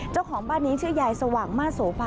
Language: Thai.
เจ้าของบ้านนี้ชื่อยายสว่างมาโสภา